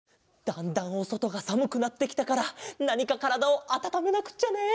だんだんおそとがさむくなってきたからなにかからだをあたためなくっちゃね。